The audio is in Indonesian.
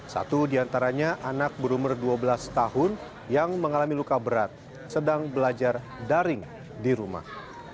satu di antaranya anak berumur dua belas tahun yang mengalami luka berat sedang belajar daring di rumah